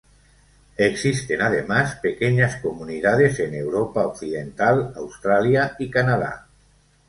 Existen además pequeñas comunidades en Europa Occidental, Australia y Canadá.